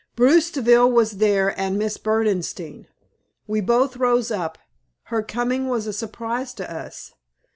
Bruce Deville was there and Miss Berdenstein. We both rose up. Her coming was a surprise to us.